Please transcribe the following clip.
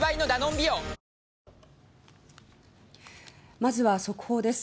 まずは速報です。